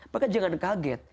maka jangan kaget